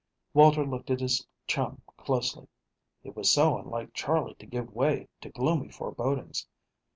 Walter looked at his chum closely. It was so unlike Charley to give way to gloomy forebodings.